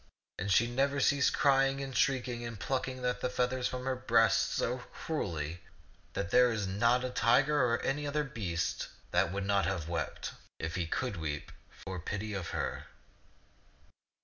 And she never ceased crying and shrieking and plucking the feathers from her breast so cruelly that there is not a tiger or any other beast that would not have wept — if he could weep — for pity of her.